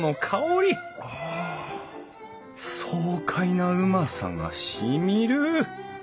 爽快なうまさがしみる。